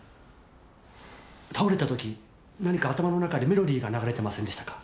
倒れたとき何か頭の中でメロディーが流れてませんでしたか？